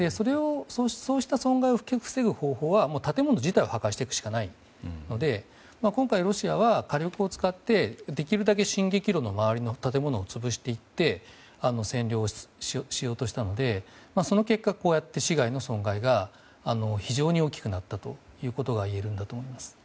そうした損害を防ぐ方法は建物自体を破壊するしかないので今回、ロシアは火力を使って、できるだけ進撃路の周りの建物をつぶしていって占領しようとしたので、その結果市街の損害が非常に大きくなったことがいえると思います。